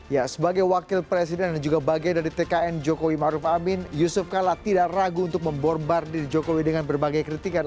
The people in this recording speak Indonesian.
ya sebagai wakil presiden dan juga bagian dari tkn jokowi maruf amin yusuf kala tidak ragu untuk memborbar diri jokowi dengan berbagai kritikan